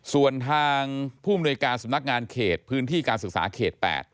ส่วนทางผู้มนวยการสำนักงานเขตพื้นที่การศึกษาเขต๘